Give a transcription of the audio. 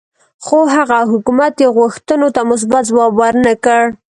خو هغه حکومت یې غوښتنو ته مثبت ځواب ورنه کړ.